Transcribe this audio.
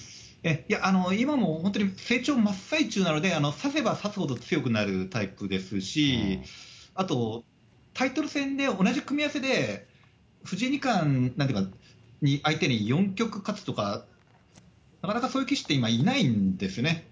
今も本当に成長真っ最中なので、指せば指すほど強くなるタイプですし、あとタイトル戦で、同じ組み合わせで藤井二冠相手に４局勝つとか、なかなかそういう棋士って今、いないんですね。